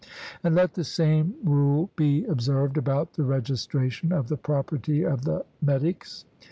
And let the same rule be observed about the registration of the property of the metics.